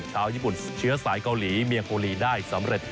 ชาวญี่ปุ่นเชื้อสายเกาหลีเมียโคลีได้สำเร็จ